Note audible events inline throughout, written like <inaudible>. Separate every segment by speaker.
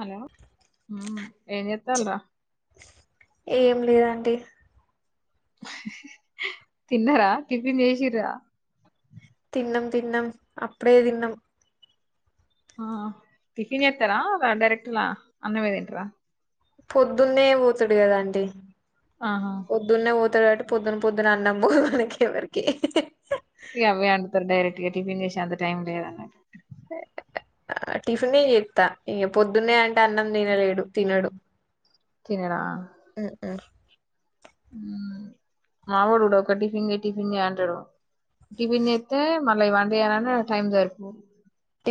Speaker 1: Hello ఉమ్ ఎంచెత్తన్రు
Speaker 2: ఏం లేదండి.
Speaker 1: తిన్నారా టిఫిన్ చేసేసిన్ర
Speaker 2: తిన్నం తిన్నం అప్పుడే తిన్నం
Speaker 1: ఆ టిఫిన్ చేత్తారా డైరెక్ట్లా అన్నమే తింటార
Speaker 2: పొద్దున్నే పోతడు కదా అండి
Speaker 1: ఆహా
Speaker 2: పొద్దున్నే పొత్ ప పొద్దున్న పొద్దున అన్నం పోదు మనకి ఎవరికి
Speaker 1: ఇగ అవే వండుతరు డైరెక్ట్ టిఫిన్ చేసె అంత టైం లేదు
Speaker 2: టిఫినే చేత్తా ఇక పొద్దున్నే అంటే అన్నం తినలేడు తినడు
Speaker 1: తినడా
Speaker 2: ఉ ఉ
Speaker 1: మా వాడు కూడా ఒక టిఫిన్ చెయ్ టిఫిన్ అంటడు టిఫిన్ చేస్తే మళ్ళీ వంట చేయాలంటే టైం సరిపోదు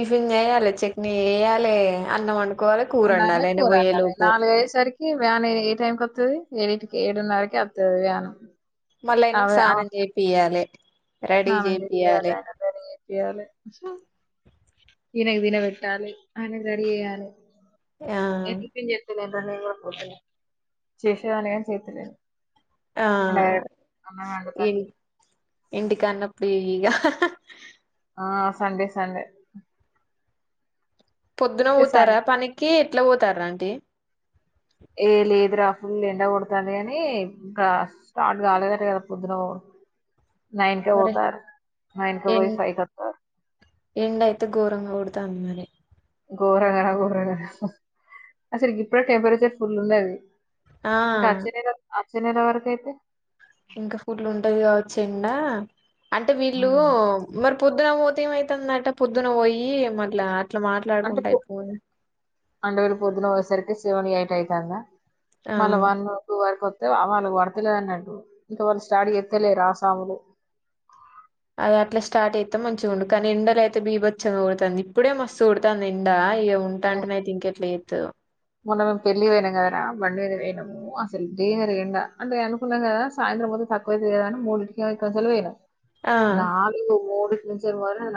Speaker 2: టిఫిన్ చేయాలె చెట్నీ ఏయాలె అన్నం వండుకోవాలి కూర
Speaker 1: వ
Speaker 2: వండాలి ఆయన
Speaker 1: కూరండాలీ
Speaker 2: పోయేలోపు
Speaker 1: నాలుగు అయ్యేసరికి వ్యాన్ ఏ టైమ్కి వస్తుది ఎడింటికి ఏడున్నరకి వత్తది వ్యాను
Speaker 2: మళ్ళయినక్
Speaker 1: అదే ఆ
Speaker 2: స్నానం చేపియ్యాలె
Speaker 1: స్నానం చెపియాలె ఆయన రెడీ చెపియాలి ఛ ఈనకు దీన పెట్టాలి ఆయనక్ రెడీ చేయాలి
Speaker 2: ఆ
Speaker 1: ఏ టిఫన్ చెస్తదా పో శేషి చేసె వాళ్ళు చేత్తలేదు
Speaker 2: ఆ
Speaker 1: వండుతాను
Speaker 2: ఏం ఇంటికాడ్న ఉన్న ఫ్రీ గ
Speaker 1: ఆ సండే సండె
Speaker 2: పొద్దున పోతార పనికి ఎట్ల పోతార్ అంటీ
Speaker 1: ఏ లేదురా ఫుల్ ఎండ కొడుతాంది అని ఇక స్టార్ట్ కాలేద కదా పొద్దున పోవుడు నైన్ కే
Speaker 2: మరి
Speaker 1: పోతారు నైన్ కు పోయి ఫైవ్ కొస్తారు
Speaker 2: ఎండయితే ఘోరంగా కొడతాంది మరి
Speaker 1: ఘోరంగర ఘోరంగర అసలు ఇప్పుడె టెంపరేచర్ ఫుల్ ఉన్నది
Speaker 2: ఆ
Speaker 1: గచ్చేనెల వచ్చే నెల వరకు అయితె
Speaker 2: ఇంక ఫుల్ ఉంటది కావచ్చు ఎండా అంటే వీళ్లూ
Speaker 1: ఉమ్.
Speaker 2: మర పొద్దున పోతే ఏమయితుందట పొద్దున పోయి మళ్ల అట్ల మాట్లాడుకుంట అయిపోదు
Speaker 1: అందరు పొద్దున పోయేసరికి సెవెన్ ఎయిట్ అయితాంద
Speaker 2: ఆ
Speaker 1: మల్ల వన్ను టూ వరక్ వస్తే వాళ్ళకి పడతలేన్నట్టు ఇంకా వాళ్ళు స్టార్ట్ చేస్తలేద రాసాములు
Speaker 2: అది అట్ల స్టార్ట్ అయితే మంచిగా ఉండు కానీ ఎండలో అయితే బీబచ్చంగా కూఊడుతుంది ఇప్పుడే మ స్తుకోడతాంది ఎండ ఇ ఉంట అంటనయితే ఇంక ఎట్ల చేత్తదో
Speaker 1: మొన్న మేమ్ పెళ్ళి పోయినాం కదరా బండి పోయినాము అసలు తీవ్ర ఎండా అంటే అనుకున్నాం కదా సాయంత్రంతే తకువైతే కదాని మూడింటికి ఇక్కడి నుంచి పోయినం
Speaker 2: ఆ
Speaker 1: నాల్గు మూడు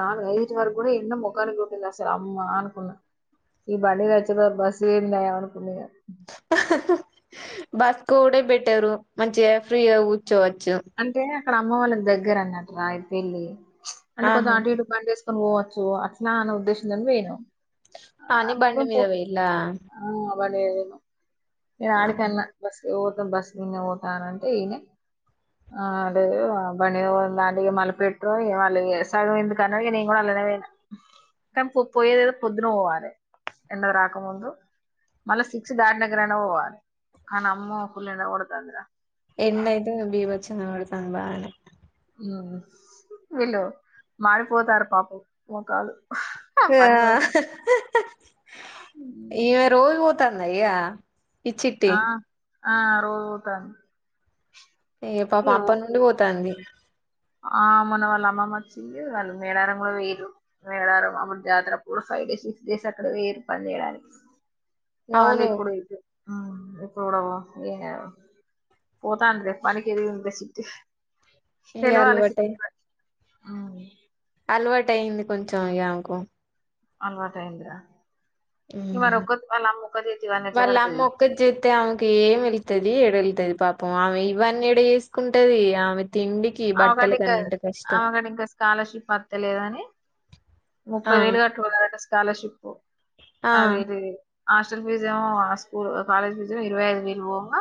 Speaker 1: నాలుగు ఐదు వరకు కూడా ఎండ ముఖానికొట్టింద అసలు అమ్మా అనుకున్నా ఈ బండి మీద వచ్చే బదలు బస్ దేవుని దయ అనుకున్నాయిగా
Speaker 2: బస్కోవడే బెటరు మంచిగ ఫ్రీగ కూర్చోవచ్చు
Speaker 1: అంటే అక్కడ అమ్మ వాళ్ళక్ దగ్గర అన్నట్రా ఈ పెళ్ళి అంటే కొంచెం
Speaker 2: ఆహా
Speaker 1: అటు ఇటు బండి ఎసుకోని ని పోవచ్చు అట్లా అనే ఉద్దేశంతోనే పోయినం
Speaker 2: అని బండిమీద పోయిలా
Speaker 1: ఆ! బండి మీద పోయినాము నేను ఆడి కన్నా బస్సు ఇగ పోతావ్ బస్సు మీద పోతా అంటే ఈనె ఆ లేదు లేదు బండి మీద పోదాం రండి ఇగ వాళ్లు పెట్రోలు ఇక వాళ్ళు ఇగ సగం ఎందుకని నేను కూడా అళ్ళనే పోయి కానీ పోయేదదో పొద్దున పోవాలి ఎండ రాకముందు మళ్ళా సిక్స్ దాటి నంకనన్న పోవాలి కానీ అమ్మ ఫుల్ ఎండ కొడతాందిరా
Speaker 2: ఎండ అయితే బీభత్సంగా కొడతాది బాగానే
Speaker 1: హు వీళ్ళు మాడిపోతారు పాపం మోకాలు పని
Speaker 2: ఇగ
Speaker 1: పడుతుంటాయి
Speaker 2: ఇమె రోజు పోతా కన్నయ్య ఈ చిట్టి
Speaker 1: ఆ ఆ రోజు పోతాంది
Speaker 2: ఏ పాప అప్ప నుండి పోతాంది
Speaker 1: ఆ మన వాళ్ళ అమ్మమ్మ వచ్చింది వాళ్ళు మేడారం కూడా పోయిరు మేడారం అప్పుడు జాతర అప్పుడు ఫైవ్ డేస్ సిక్స్ డేస్ అక్కడ వేయరు పని చేయడానికి వాళ్ళు
Speaker 2: అవును
Speaker 1: ఇప్పుడైతే ఆ ఇప్పుడ పో పోతాంది లే పనికి ఎదిగింది లే చిట్టి
Speaker 2: ఇగ అలవాటే
Speaker 1: అవును
Speaker 2: అలవాటు అయింది కొంచెం ఇగ ఆమెకు
Speaker 1: అలవాటు అయింది రా
Speaker 2: హు
Speaker 1: ఇవన్నీ ఎట్లా
Speaker 2: వాళ్ళ అమ్మ
Speaker 1: కడతది
Speaker 2: ఒక్కతి చేస్తే ఆమెకి ఏమి వెళ్లుతాది ఏడ ఎల్లుతది పాపం ఆమె ఇవన్నీ ఈడ చేసుకుంటది ఆమె తిండికి
Speaker 1: ఆమెకి ఆట
Speaker 2: బట్టలకి
Speaker 1: ఇంకా
Speaker 2: అన్నంటే కష్టం
Speaker 1: ఆమెకి ఆట ఇంకా స్కాలర్షిప్ వస్తలేద అని ముప్పై
Speaker 2: ఆ
Speaker 1: వేలు కట్టమన్నారట స్కాలర్షిప్
Speaker 2: ఆ
Speaker 1: అదేలే హాస్టల్ ఫీజు ఏమో స్కూ కాలేజ్ ఫీజు ఇరవై ఐదు వేలు పోవంగా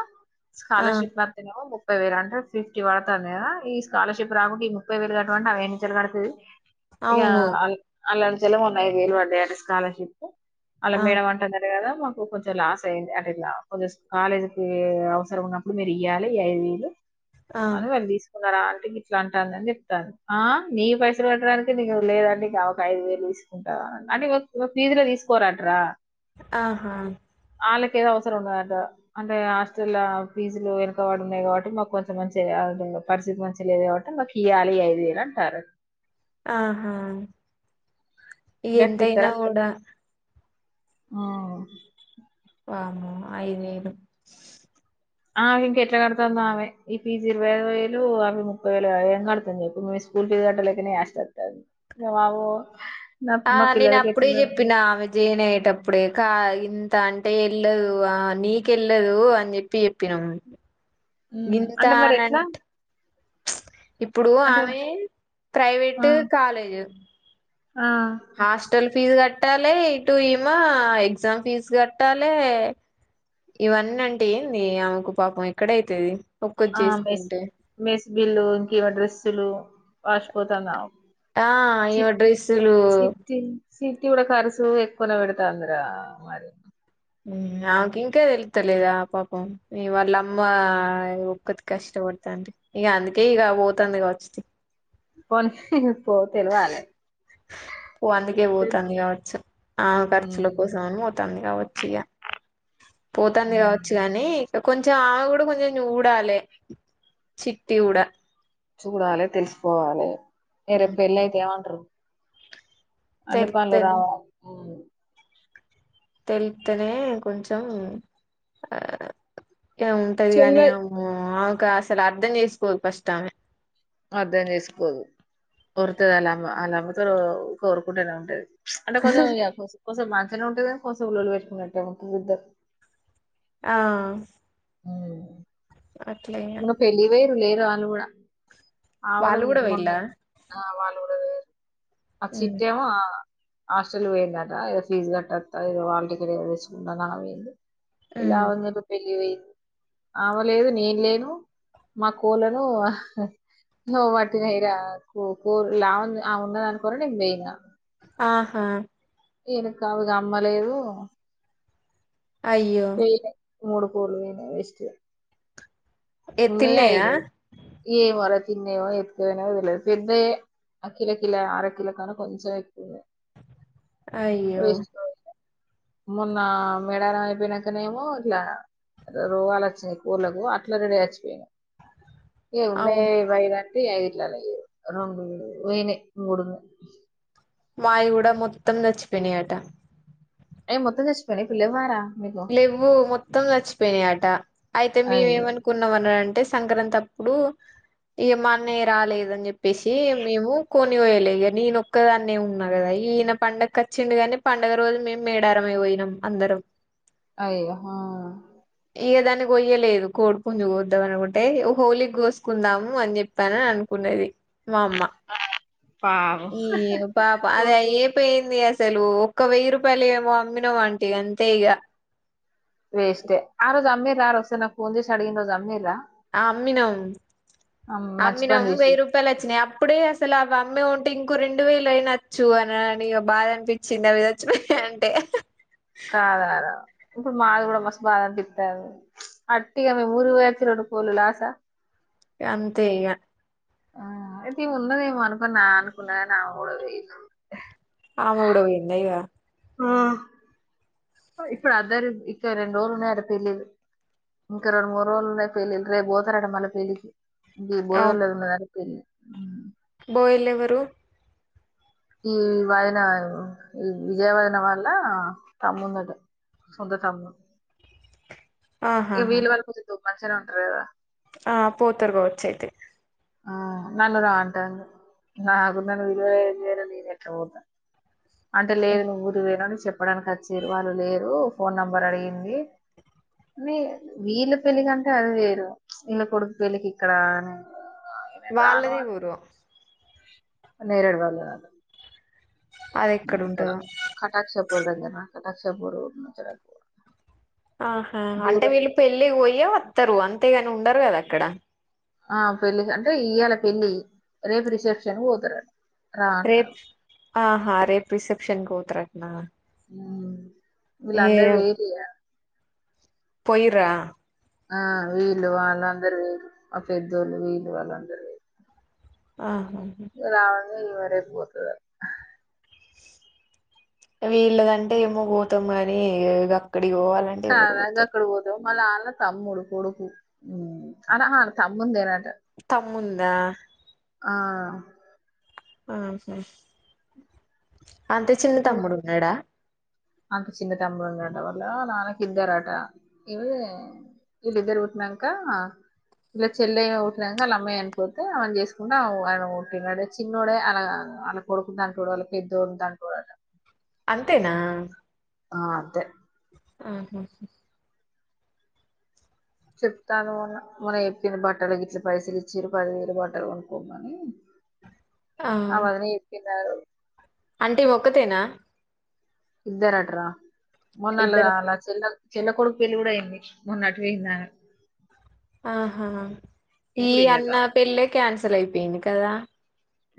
Speaker 2: ఆ
Speaker 1: స్కాలర్షిప్ కడుతానేమో ముప్పై ఇ వేర అంటే ఫిఫ్టీ పడుతాంది గా ఇ స్కాలర్షిప్ రాకుంటే ఈ ముప్పై వేలు కట్టమంటే ఆమె ఎనుచేలి కడుతది ఇగ
Speaker 2: అవును
Speaker 1: ఆలు అల్లా నుంచేలే మొన్న ఐదు వేలు పడ్డాయి స్కాలర్షిప్ అలా
Speaker 2: ఆ
Speaker 1: మేడం అంటది ఆట కదా మాకు కొంచెం లాస్ అయింది అంటే ఇట్లా కొంచెం కాలేజీకి అవసరం ఉన్నప్పుడు మీరు ఇయ్యాలి ఐదు వేయిలు
Speaker 2: ఆ
Speaker 1: అని వాళ్ళు తీసుకున్నారు ఆల్ గిట్ల అంటాందని చెప్తాను ఆ నీ పైసల్ పెట్టడానికి నీకు లేదండె ఇంగ ఒక ఐదువేలు తీసుకుంటావా అంటె ఒ ఒక ఫీజ్ లో తీసుకోరంట్రా.
Speaker 2: ఆహ.
Speaker 1: ఆళ్ళకేదో అవసరం ఉన్నదంట అంటే హాస్టల్లా ఫీజులు యెనకబడున్నాయ్ కాబట్టి మాక్ కొంచమన్న చెయ్యాల్ నువ్వు పరిస్థితి మంచి. లేదు కాబట్టి మాకియ్యాలి ఈ ఐదువేలంటార్రు.
Speaker 2: ఆహా. ఎంతైనా గూడా.
Speaker 1: ఆ
Speaker 2: వామ్మో ఐద్వేలు.
Speaker 1: ఆమింకెట్ల గడతాందామె ఈ ఫీజిరవైవేలు అవి ముప్పైవేలగ ఏం గడ్తాం జెప్పు మీ స్కూల్ ఫీజ్ కట్టలేకనే యాష్టొత్తాంది ఇంగ బాబు.
Speaker 2: ఆ నేనప్పుడె జెప్పిన ఆమె జెయనయ్యేటప్పుడే కా ఇన్. త అంటె యెళ్ళదు ఆ నీకెళ్ళదు అన్ జెప్పి జెప్పినమ్.
Speaker 1: ఉమ్ అంటే మరి ఎట్లా
Speaker 2: గింతారంట్. ఇప్పుడు
Speaker 1: అంటే
Speaker 2: ఆమె
Speaker 1: ఆ
Speaker 2: ప్రైవేట్ కాలేజ్.
Speaker 1: ఆ
Speaker 2: హాస్టల్ ఫీజ్ గట్. ట్టాలె ఇటు ఈమా ఎగ్జామ్ ఫీజ్ గట్టాలె ఇవన్నంటె ఏంది ఆమెకు పాపం ఎక్కడైతది. ఒక్కటి
Speaker 1: ఆ మెస్
Speaker 2: చేసుకుంటే
Speaker 1: మెస్బిల్లు ఇంకివ డ్రస్. త్తులు
Speaker 2: ఆ ఇవ డ్రెస్సులు.
Speaker 1: సిట్టీ గూడ కర్సు ఎక్కువనే పెడతాందిరా మరి.
Speaker 2: ఉమ్ ఆమెకింకా తెలుత్తలేదా పాపం ఈ వాళ్ళమ్మా ఒక్కతి కష్టపడ్తాంటె ఇగందుకే ఇగ బోతాంది కావచ్చు తి.
Speaker 1: పోని
Speaker 2: ఓ అందుకే
Speaker 1: తెల్
Speaker 2: పోతాంది కావచ్చు ఆమె కర్చుల
Speaker 1: ఉమ్
Speaker 2: కోసమని పో. తాంది గావచ్చిగ. పోతాంది
Speaker 1: ఉమ్
Speaker 2: గావచ్చు గానీ. కొంచెం ఆమె గూడ కొంచెం చూడాలే చిట్టీ గుడా.
Speaker 1: చూడాలే తెల్సుకోవాలే. ఎ రేప్ పెళ్లైతే ఏమంట్రు. అన్ని పన్లు
Speaker 2: తెలుత్తనే
Speaker 1: రావాలి ఉమ్.
Speaker 2: తెల్ త్తెనే కొంచెం ఆ యాముంటది గాని
Speaker 1: చెయ్యవే
Speaker 2: అమ్మో. ఇంకా అసలర్ధం జేస్కోద్ ఫస్టామె.
Speaker 1: అర్ధం జేస్కోదు వొర్తదాళ్ళమ్మ ఆళ్ళమ్మతోలు ఊకె వొరుకుంటనే వుంటది. అంటె కొంజెమ్ ఇగ కోస్. కొసం మంచనే ఉంటద్ గాన్ కోసేవ్ లొల్లి పెట్టుకున్నట్టే వుంటదిద్దరు.
Speaker 2: ఆ
Speaker 1: అవ్
Speaker 2: అట్లే ఇగ
Speaker 1: మొన్న పెళ్ళికి ఓయర్ లేరు ఆళ్ళు గుడ ఆవిడ
Speaker 2: వాళ్ళు
Speaker 1: నిన్
Speaker 2: కూడా
Speaker 1: మొన్న
Speaker 2: పోయిల్లా
Speaker 1: వచ్చి ఆహ్ వాల్ అహ్ చిట్టి ఏమో ఆహ్ హాస్టల్ ఓయిందట ఏదో ఫీజ్ కట్టివత్తా ఏదో హాల్ టికెట్ ఏదో తెచ్చుకుంటానని అలా ఓయింది. ఇలా ఉంది ఎందో పెళ్లి ఓయి అవ్వలేదు నేను లేను మా కోళ్లను నువ్వు వాటికెయ్‌రా కొ కోర్ లాంది ఆమె ఉన్నాదనుకొనే నేను బోయినా
Speaker 2: ఆహా
Speaker 1: ఎనుక్కావిగా అమ్మలేవు
Speaker 2: అయ్యో
Speaker 1: మూడు కూర్లు ఓయినాయ్ వేస్ట్ గ
Speaker 2: ఏ
Speaker 1: ఉన్నయే
Speaker 2: తిన్నయా
Speaker 1: ఐదు ఏ వరల్ చిన్నెఓ ఎత్తుకు పొయ్ నాది లేదు పెద్దయ్యే కిల కిల అర కిలోకన్న కొంచం ఎక్కువే
Speaker 2: అయ్యో
Speaker 1: మొన్న మెడారం అయ్పోయినాకనేమో ఇట్ల రోగాలొచ్చాయ్ కోర్లకు అట్లానే రెడీ అయి. <unintelligible> ఏ ఉన్నాయే
Speaker 2: అవును
Speaker 1: ఈవైదంటే ఈఐద్ ఓయినాయ్ మూడు ఉన్నాయ్
Speaker 2: మాయ్యి గుడా మొత్తం చచ్చిపోనియట
Speaker 1: ఏ మొత్తం చచ్చిపోయ్ని ఇప్పుడు లేవ్వారా
Speaker 2: లెవ్వు మొత్తం చచ్చిపోయినీ అట అయితే
Speaker 1: అయ్యో
Speaker 2: మేమేమనుకున్నామని అనంటే స్ సంక్రాంతి అప్పుడు ఇగ మా అన్నయ రాలేదన్ జేప్పేసి మేము కోడ్ని గొయలే ఇగ నేనొక్కదాన్నే ఉన్నా గదా ఈయన పండక్కి వచ్చిండు గానీ పండగ రోజు మేమం మేడారమే ఓయిన్నాం అందరం.
Speaker 1: అయ్యో
Speaker 2: ఇగ దాన్ని గొయ్యలేదు కోడి పుంజు కోద్దాం అనుకుంటే హోలీ గోస్కుందాము అని చెప్పానని అనుకున్నది మా అమ్మ.
Speaker 1: పాపం
Speaker 2: ఈయె పాప అదే అయ్యె పె ది అసలు ఒక్క వెయ్యి రూపాయల్ ఏమో అమ్మిన అంటిగ అంతే ఇగ
Speaker 1: వేస్టే ఆ రోజు అమ్మే ఇసార్ వస్తే నాక్ ఫోన్ చేస్ అడిగిన రోజు అమ్మేదా
Speaker 2: ఆహ్ అమ్మినాం
Speaker 1: అమ్- మంచి
Speaker 2: అమ్మినాం
Speaker 1: పని చేసి
Speaker 2: వెయ్యి రూపాయల్ వచ్చినాయ్ అప్పుడే అసలు అవి అమ్మి ఉ ఇంకో రెండు వేలు అయినచ్చు అన అని బాధ అనిపించింది అవి చచ్చిపోయాయ్ అంటే.
Speaker 1: కాదార ఇప్పుడు మాది గూడా మస్తు బాధ అనిపిత్తాంది అట్టిగ మెమ్ ఊరికి బోయ్ వచ్చి రెండు పొల్లుల ఆశ.
Speaker 2: అంతేగ
Speaker 1: ఇతి ఉన్నదేమో అనుకున్నా అనుకున్నా నా గూడ తెలిదు
Speaker 2: ఆమె గూడా ఉన్నాయ్ గ
Speaker 1: హ్మ్ ఇప్పుడు అందరు ఇంకా రెండు రోలున్నాయట పెళ్ళిళ్ళు ఇంకా రెండు మూడు రోలు ఉన్నాయి పెళ్ళిళ్ళు రేప్ బోతారట మళ్ళ పెళ్లికి గి
Speaker 2: అవ్
Speaker 1: భోజనాల్లో ఏం ఉందో గాని ఇన్ ఊ
Speaker 2: పోయిలేవరు
Speaker 1: ఈ వాయన ఈ విజయ వైన్నా వల్ల తమ్ముందట సొంత తమ్ము ఏ
Speaker 2: ఆహాహా
Speaker 1: వీల్ వాల్ కోసి తోప్ మంచినే ఉంట్రూ కదా
Speaker 2: ఆ పోతర్ గావచ్ అయితే
Speaker 1: ఆ నల్ రా ఆంటడు నాకున్ <unintelligible> నేనెట్ల పోత అంటే లేద్ నువ్వు ఊరుపోయినా అంట్ చెప్ ప్పడానికి అచ్చిర్రు వాళ్ళు లేరు ఫోన్ నెంబర్ అడిగింది వీ వీళ్ళ పెళ్ళికి అంటే అది వేరు వీళ్ళ కొడుకు పెళ్ళికి ఇక్కడ అని
Speaker 2: వాళ్లద్ ఏ ఊరు
Speaker 1: నేరడు వాళ్లద్
Speaker 2: అది ఎక్కడుంటాదో
Speaker 1: ఊరు దగర్నా కనక్ష పురు <unintelligible>
Speaker 2: ఆహా అంటే వీళ్ళు పెళ్ళికి పోయె వత్తరు అంత్ తే గాని ఉండరు గదా అక్కడ
Speaker 1: ఆ పెళ్లి అంటే ఇయాల పెళ్లి రేపు రిసెప్షన్ పోతారంట రా
Speaker 2: రేప్
Speaker 1: అంటార్
Speaker 2: ఆహా రేపు రిసెప్షన్కి పోతారాంట్నా
Speaker 1: హు ఇలాందరు పోయిరిగా
Speaker 2: పోయిరా
Speaker 1: ఆ వీళ్ళు వాళ్లందరు వేరు ఒక పెదోళ్లు వీళ్ళు వాళ్లందరు వేరు
Speaker 2: ఆ
Speaker 1: రావద్ అదే ఇవా రేపోతదాట్
Speaker 2: వీళ్లదంటే ఏమో పోతాం మరి ఇగ అడికి పోవాలంటే ఎవరు పోతారు
Speaker 1: మళ్ళా వాళ్ల తమ్ముడు కొడుకు అలా హా తమ్ముందేనాట్
Speaker 2: తమ్మున్ దా
Speaker 1: ఆ
Speaker 2: ఆ సర్సు అంతే చిన్న తమ్ముడు ఉన్నాడా
Speaker 1: అంత చిన్న తమ్ముడు ఉండటం వాళ్ల నాన్నకి ఇద్దరట ఇగ వీళ్లుదరు పుట్టినంక ఇలా చెల్లె ఇగ పుట్నంక వాళ్ల అమ్మ చనిపోతే అమెన్ చేసుకుంట <unintelligible> పట్టిన్నాడు చిన్నోడే అలా అమే కొడుకు దంటోడు వాళ్ళ పెద్దొడు దంటోడంట
Speaker 2: అంతేనా
Speaker 1: ఆ అంతే
Speaker 2: ఆహా
Speaker 1: చెప్తాను మొన్న మొన్న చెపింది బట్టలకి ఇట్లా పైసలు ఇచ్చీరు పదివేలు బట్టలు కొనుకోమని ఆ వదిన చెపింది సారు
Speaker 2: అంటే ఒకతేనా
Speaker 1: ఇద్దర అటారా మొన్న ఎళ్లదా
Speaker 2: ఇద్దరు
Speaker 1: అలా చెల్లెల్ చెల్ల కొడుకు పెళ్ళి కూడా అయింది మొన్న అటుపోయిందా
Speaker 2: ఆహా ఈ అన్న
Speaker 1: తమ్ముడు
Speaker 2: పెళ్లే కాన్సల్ అయిపొయింది కదా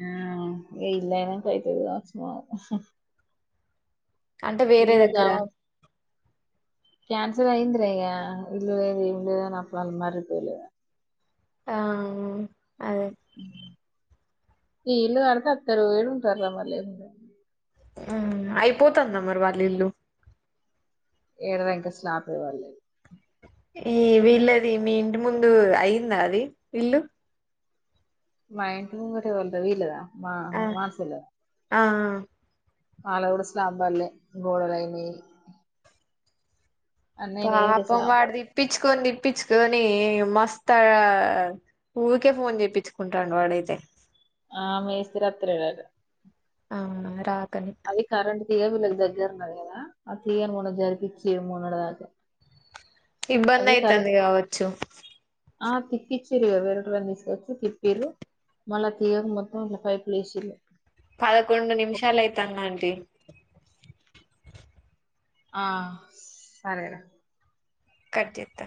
Speaker 1: ఆ వేలాది అయినాక అయితది కావచ్చు ఆ
Speaker 2: అంటే వేరే దగ్గర
Speaker 1: క్యాన్సల్ అయిందిరా ఇగా ఇల్ లేదు ఇల్ లేద నాప్పులా అ మ పోయిలేద
Speaker 2: ఆ అదే
Speaker 1: ఈ ఇల్లు కడితే అత్తర ఎడా ఉంటారురా మళ్ళీ ము
Speaker 2: ఉమ్ అయిపోతుందా మరి వాల్ ఇల్లు
Speaker 1: ఎడరంకా వచ్చినా ఆపేవాలు లేరు
Speaker 2: ఈ వీల్ళది మీ ఇంటి ముందు అయిందా అది ఇల్లు
Speaker 1: మా ఇంటి ముగట ఎవరిది వీలదా మా
Speaker 2: ఆ
Speaker 1: మాస్కులు
Speaker 2: ఆ
Speaker 1: ఆళగూడ స్లంబాలే గోడలైని
Speaker 2: పాపం
Speaker 1: స్లాబ్
Speaker 2: వాడిది
Speaker 1: పడలే
Speaker 2: ఇపిచుకొని ఇపిచుకొని మస్త ఆ ఊరికే ఫోన్ చెప్పించుకుంటాండు వాడైతే
Speaker 1: ఆ మేసిర్ అత్రకాదు
Speaker 2: అవును రా
Speaker 1: అది కరెంట్ తీపిలకు దగ్గర ఉన్నారు కదా ఆ తీయ మన్న జరిపించి మూన్నడు దాకా
Speaker 2: ఇబ్బంది
Speaker 1: అది
Speaker 2: అయితుంది
Speaker 1: కరెంట్
Speaker 2: కావచ్చు
Speaker 1: ఆ తిప్పచ్చారు కద వేరని తీసుకొచ్చి తిప్పరు మళ్ళా తీయరు మొత్తం ఇంకా పైపులు వేసిర
Speaker 2: పదకొండు నిమిషాలు అయి తంగా ఆంటీ
Speaker 1: ఆ సరేరా
Speaker 2: కట్ చెత్తా